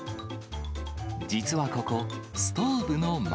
実はここ、ストーブの前。